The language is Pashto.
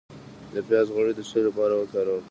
د پیاز غوړي د څه لپاره وکاروم؟